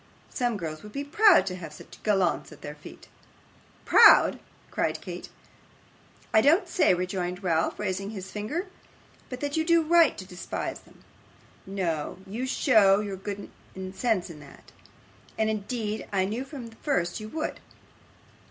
Some girls would be proud to have such gallants at their feet.' 'Proud!' cried Kate. 'I don't say,' rejoined Ralph, raising his forefinger, 'but that you do right to despise them; no, you show your good sense in that, as indeed I knew from the first you would.